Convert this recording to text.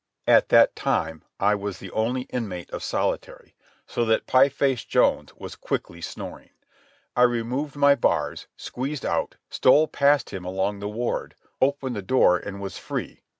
At that time I was the only inmate of solitary, so that Pie Face Jones was quickly snoring. I removed my bars, squeezed out, stole past him along the ward, opened the door and was free